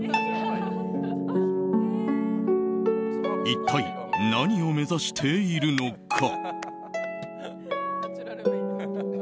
一体、何を目指しているのか。